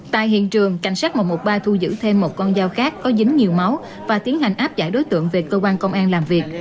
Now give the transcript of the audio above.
tại hiện trường cảnh sát một trăm một mươi ba thu giữ thêm một con dao khác có dính nhiều máu và tiến hành áp giải đối tượng về cơ quan công an làm việc